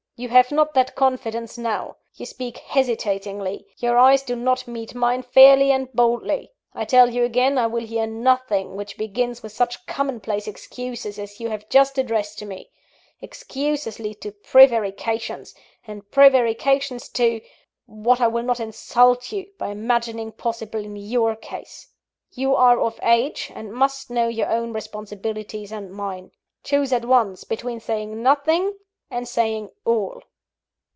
You have not that confidence now you speak hesitatingly your eyes do not meet mine fairly and boldly. I tell you again, I will hear nothing which begins with such common place excuses as you have just addressed to me. Excuses lead to prevarications, and prevarications to what I will not insult you by imagining possible in your case. You are of age, and must know your own responsibilities and mine. Choose at once, between saying nothing, and saying all."